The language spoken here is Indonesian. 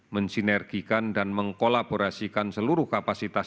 mensinergikan dan mengkolaborasikan seluruh kapasitas